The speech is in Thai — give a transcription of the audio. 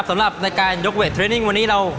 สำหรับในการยกเวทเทรนิ่งวันนี้เรา